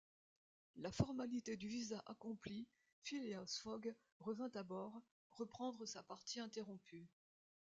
La formalité du visa accomplie, Phileas Fogg revint à bord reprendre sa partie interrompue.